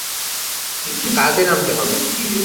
কাজে নামতে হবে।